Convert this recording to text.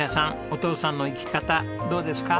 お父さんの生き方どうですか？